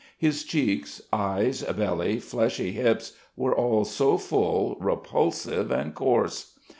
His cheeks, eyes, belly, fleshy hips were all so full, repulsive, and coarse!